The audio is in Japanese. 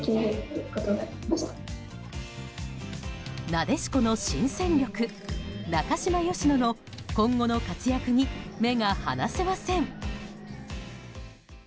なでしこの新戦力・中嶋淑乃の今後の活躍に目が離せません。